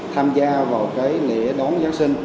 tham gia vào lễ đón giáng sinh